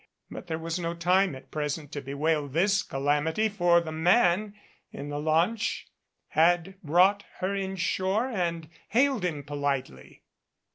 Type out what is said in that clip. But there was no time at present to bewail this calamity for the man in the launch had brought her inshore and hailed him politely.